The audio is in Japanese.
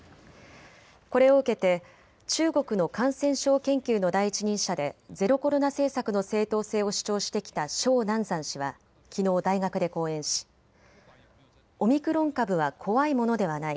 これを受けて中国の感染症研究の第一人者でゼロコロナ政策の正当性を主張してきた鍾南山氏はきのう大学で講演しオミクロン株は怖いものではない。